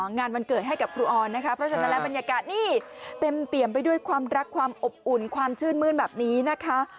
นี่เต็มเปี่ยมไปด้วยความรักความอบอุ่นความชื่นมื้อนแบบนี้นะคะ